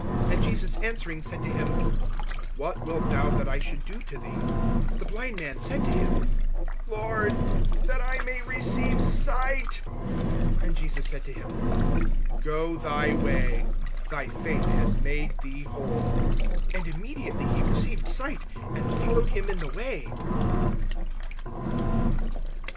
(51)And Jesus answering said to him: What wilt thou that I should do to thee? The blind man said to him: Lord, that I may receive sight. (52)And Jesus said to him: Go thy way; thy faith has made thee whole. And immediately he received sight, and followed him in the way.